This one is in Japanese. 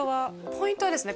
ポイントはですね